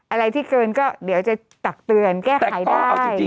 อะไรที่เกินก็เดี๋ยวจะตักเตือนแก้ไขได้